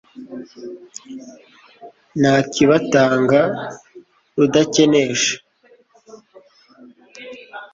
nakibatanga rudakenesha